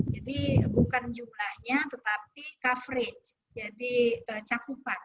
jadi bukan jumlahnya tetapi coverage jadi cakupan